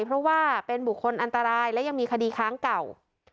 เพราะว่าเป็นบุคคลอันตรายและยังมีคดีค้างเก่า